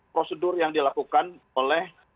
prosedur yang dilakukan oleh